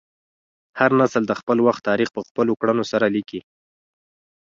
هر نسل د خپل وخت تاریخ په خپلو کړنو سره لیکي.